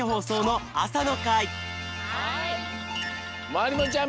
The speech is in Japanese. まりもちゃん